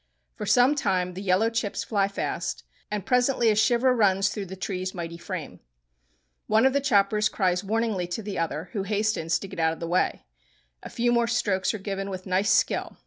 For some time the yellow chips fly fast, and presently a shiver runs through the tree's mighty frame. One of the choppers cries warningly to the other, who hastens to get out of the way. A few more strokes are given with nice skill.